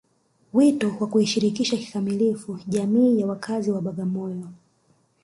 Wito wa kuishirikisha kikamilifu jamii ya wakazi wa Bagamoyo